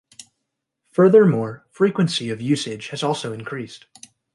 Furthermore, frequency of usage has also increased.